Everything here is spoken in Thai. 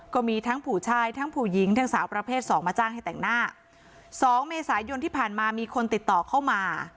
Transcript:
ก็มีทั้งผู้ชายทั้งผู้หญิงทั้งสาวประเภทสองมาจ้างให้แต่งหน้าสองเมษายนที่ผ่านมามีคนติดต่อเข้ามา